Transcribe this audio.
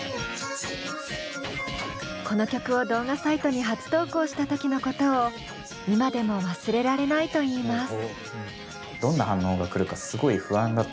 この曲を動画サイトに初投稿した時のことを今でも忘れられないといいます。